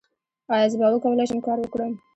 ایا زه به وکولی شم کار وکړم؟